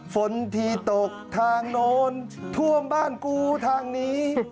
ฝนทีตกทางโน้นท่วมบ้านกูทางนี้